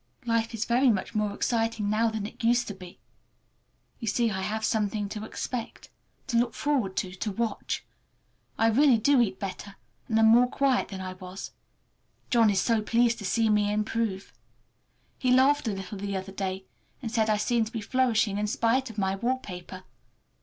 Life is very much more exciting now than it used to be. You see I have something more to expect, to look forward to, to watch. I really do eat better, and am more quiet than I was. John is so pleased to see me improve! He laughed a little the other day, and said I seemed to be flourishing in spite of my wallpaper.